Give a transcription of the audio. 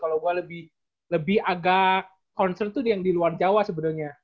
kalau gue lebih agak concern tuh yang di luar jawa sebenarnya